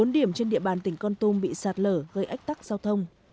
một mươi bốn điểm trên địa bàn tỉnh con tum bị sạt lở gây ách tắc giao thông